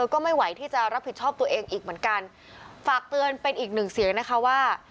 ก็ไม่ไหวที่จะรับผิดชอบตัวเองอีกเหมือนกันฝากเตือนเป็นอีกหนึ่งเสียงนะคะว่า